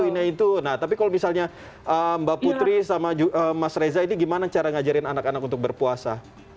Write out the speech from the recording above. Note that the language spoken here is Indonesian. nah tapi kalau misalnya mbak putri sama mas reza ini gimana cara ngajarin anak anak untuk berpuasa